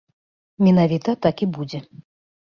Менавіта так і будзе.